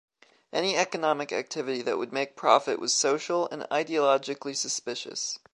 Any economic activity that would make profit was social and ideologically suspicious.